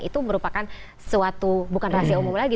itu merupakan suatu bukan rahasia umum lagi